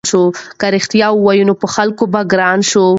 که رښتیا ووایې نو په خلکو کې به ګران شې.